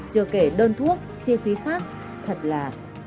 chưa kể đơn thuốc chi phí khác thật là